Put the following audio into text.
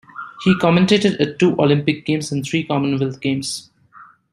He commentated at two Olympic Games and three Commonwealth Games.